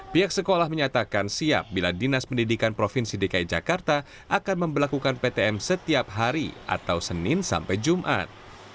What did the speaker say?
pihak sekolah menyatakan siap bila dinas pendidikan provinsi dki jakarta akan memperlakukan ptm setiap hari atau senin sampai jumat